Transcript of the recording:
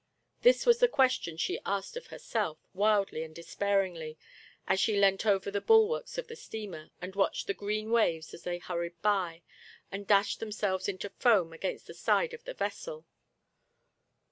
This was the question she asked of herself, wildly and despairingly, as she leant over the bulwarks of the steamer, and watched the green waves, as they hurried by and dashed themselves into foam against the side of the vessel.